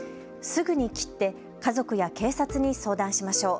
すぐに切って家族や警察に相談しましょう。